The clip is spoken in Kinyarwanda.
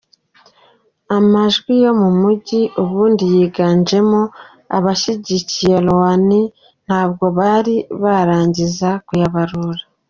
Amajwi yo mu mijyi - ubundi yinganjemo abashyigikiye Rouhani - ntabwo bari barangiza kuyabarura.